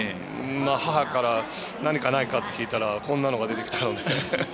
母から何かないか？って聞いたらこんなのが出てきたので。